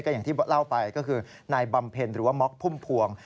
อย่างที่เล่าไปก็คือนายบำเพ็ญหรือว่าม็อกพุ่มพวง